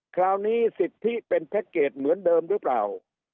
คราวนี้สิทธิเป็นแพ็คเกจเหมือนเดิมหรือเปล่า